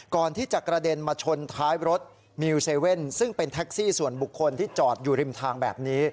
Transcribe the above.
ก่อนที่จะกระเด็นมาชนท้ายรถมิวเซเว่นซึ่งเป็นแท็กซี่ส่วนบุคคลที่จอดอยู่ริมทางแบบนี้